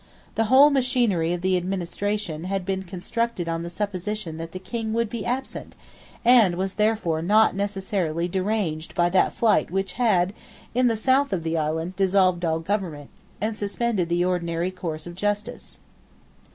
The whole machinery of the administration had been constructed on the supposition that the King would be absent, and was therefore not necessarily deranged by that flight which had, in the south of the island, dissolved all government, and suspended the ordinary course of justice.